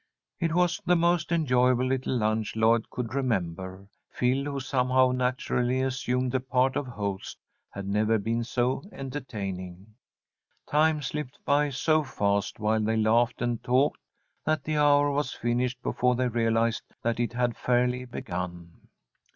It was the most enjoyable little lunch Lloyd could remember. Phil, who somehow naturally assumed the part of host, had never been so entertaining. Time slipped by so fast while they laughed and talked that the hour was finished before they realized that it had fairly begun.